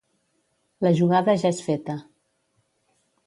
La jugada ja és feta.